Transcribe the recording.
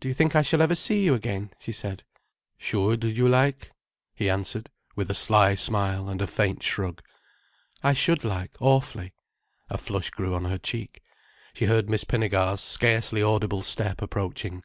"Do you think I shall ever see you again?" she said. "Should you like—?" he answered, with a sly smile and a faint shrug. "I should like awfully—" a flush grew on her cheek. She heard Miss Pinnegar's scarcely audible step approaching.